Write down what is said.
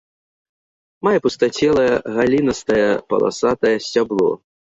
Мае пустацелае галінастае паласатае сцябло.